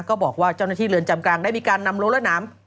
ก็บอกว่าเจ้าหน้าที่เรือนจำกรรมได้มีการนำโรลดน้ำ